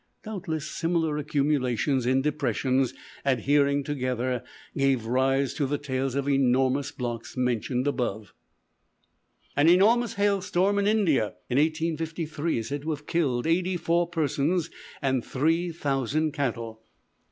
Doubtless similar accumulations in depressions, adhering together, gave rise to the tales of enormous blocks mentioned above. An enormous hail storm in India, in 1853, is said to have killed eighty four persons and three thousand cattle.